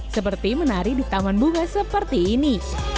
seperti menari di taman bunga seperti ini